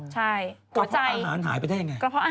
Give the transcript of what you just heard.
กระเพาะอาหารหายไปได้ยังไง